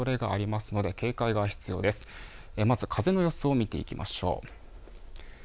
まず風の予想を見ていきましょう。